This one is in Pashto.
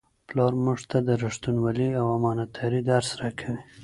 پلار موږ ته د رښتینولۍ او امانتدارۍ درس راکوي.